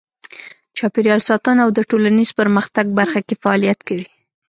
چاپیریال ساتنه او د ټولنیز پرمختګ برخه کې فعالیت کوي.